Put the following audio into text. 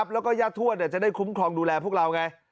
แล้วก็ญาติทวดจะได้คุ้มครองดูแลพวกเราไง